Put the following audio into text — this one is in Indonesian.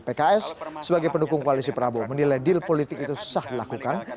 pks sebagai pendukung koalisi prabowo menilai deal politik itu sah dilakukan